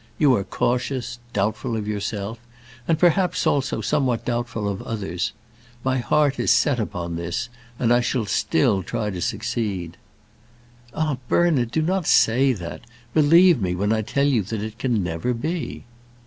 You are cautious, doubtful of yourself, and perhaps, also, somewhat doubtful of others. My heart is set upon this, and I shall still try to succeed." "Ah, Bernard, do not say that! Believe me, when I tell you that it can never be."